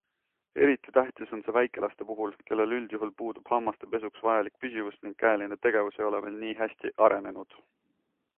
Eriti tähtis on see väikelaste puhul, kellel üldjuhul puudub hammaste pesuks vajalik püsivus ning käeline tegevus ei ole veel nii hästi arenenud.